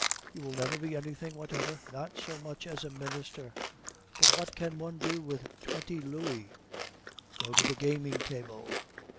You will never be anything whatever, not so much as a minister.' "'But what can one do with twenty louis?' "'Go to the gaming table.